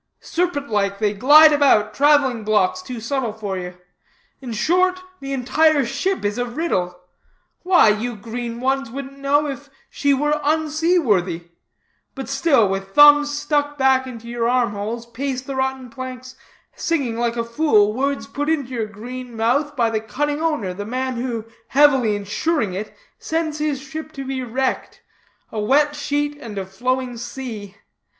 Serpent like, they glide about, traveling blocks too subtle for you. In short, the entire ship is a riddle. Why, you green ones wouldn't know if she were unseaworthy; but still, with thumbs stuck back into your arm holes, pace the rotten planks, singing, like a fool, words put into your green mouth by the cunning owner, the man who, heavily insuring it, sends his ship to be wrecked 'A wet sheet and a flowing sea!'